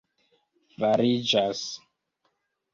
fariĝas